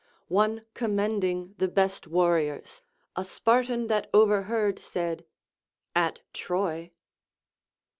One commending the best war riors, a Spartan that overheard said, At Troy.